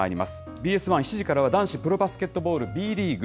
ＢＳ１、７時からは、男子プロバスケットボール、Ｂリーグ。